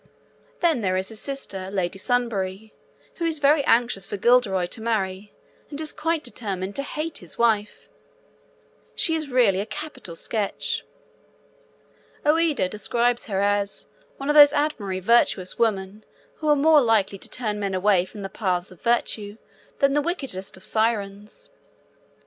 Then there is his sister Lady Sunbury, who is very anxious for Guilderoy to marry, and is quite determined to hate his wife. She is really a capital sketch. Ouida describes her as 'one of those admirably virtuous women who are more likely to turn men away from the paths of virtue than the wickedest of sirens.'